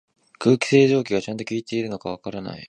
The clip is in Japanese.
空気清浄機がちゃんと効いてるのかわからない